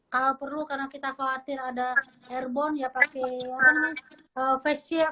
kalau perlu karena kita khawatir ada airborne ya pakai face shield